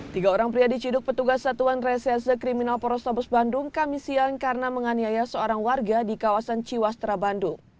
tiga orang pria diciduk petugas satuan reserse kriminal pores tabus bandung kamisian karena menganiaya seorang warga di kawasan ciwastra bandung